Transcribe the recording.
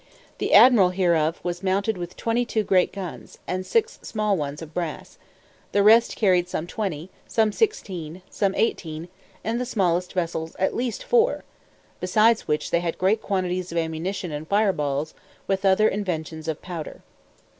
The admiral hereof was mounted with twenty two great guns, and six small ones of brass; the rest carried some twenty; some sixteen, some eighteen, and the smallest vessel at least four; besides which, they had great quantities of ammunition and fire balls, with other inventions of powder.